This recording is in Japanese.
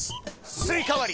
スイカ割り